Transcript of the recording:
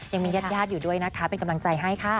ยังมีญาติญาติอยู่ด้วยนะคะเป็นกำลังใจให้ค่ะ